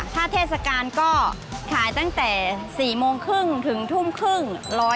ถ้าเทศกาลก็ขายตั้งแต่๔โมงครึ่งถึงทุ่มครึ่ง